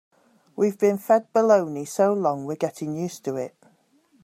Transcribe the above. We've been fed baloney so long we're getting used to it.